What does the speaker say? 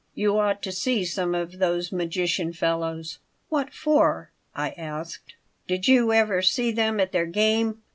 "You ought to see some of those magician fellows." "What for?" I asked "Did you ever see them at their game?